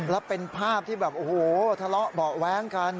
แล้วเป็นภาพที่แบบโอ้โหทะเลาะเบาะแว้งกัน